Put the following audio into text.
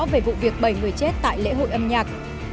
về vụ việc bảy người chết tại lễ hội âm nhạc